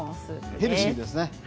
ヘルシーですね。